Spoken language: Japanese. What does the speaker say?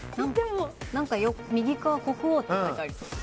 何か右っ側国王って書いてありそう。